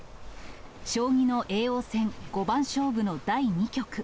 将棋の叡王戦五番勝負の第２局。